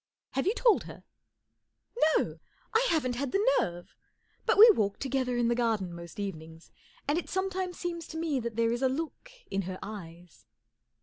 44 Have you told her ?" 14 No. I haven't had the nerve. But we walk together in the garden most evenings, and it sometimes seems to me that there is a look in her eyes."